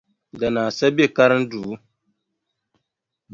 Danaa sa be karinduu.